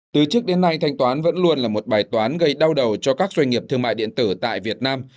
từ trước đến nay thanh toán vẫn luôn là một bài toán gây đau đầu cho các doanh nghiệp việt nam